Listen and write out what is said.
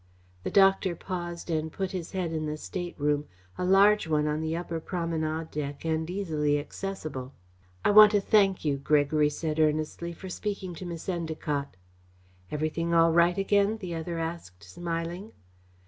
The doctor paused and put his head in the stateroom a large one on the upper promenade deck and easily accessible. "I want to thank you," Gregory said earnestly, "for speaking to Miss Endacott." "Everything all right again?" the other asked, smiling.